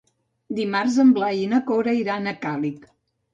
Dimarts en Blai i na Cora iran a Càlig.